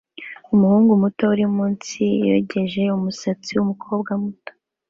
Umuhungu muto uri munsi yogeje umusatsi wumukobwa muto